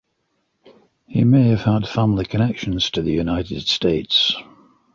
He may have had family connections to the United States.